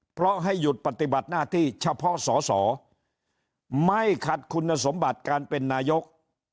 เพราะให้หยุดปฏิบัติหน้าที่เฉพาะสอสอไม่ขัดคุณสมบัติการเป็นนายก